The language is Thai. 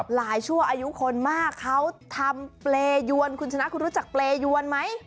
ชั่วอายุคนมากเขาทำเปรยวนคุณชนะคุณรู้จักเปรยวนไหม